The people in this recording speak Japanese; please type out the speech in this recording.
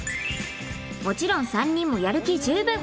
もちろん３人もやる気十分！